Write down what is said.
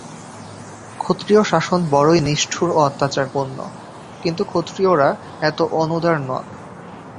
ক্ষত্রিয়-শাসন বড়ই নিষ্ঠুর ও অত্যাচারপূর্ণ, কিন্তু ক্ষত্রিয়রা এত অনুদার নন।